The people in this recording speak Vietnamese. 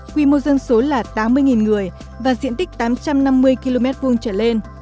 quy mô dân số là tám mươi người và diện tích tám trăm năm mươi km hai trở lên